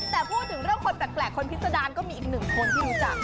แต่พูดถึงเรื่องคนแปลกคนพิษดารก็มีอีกหนึ่งคนที่รู้จัก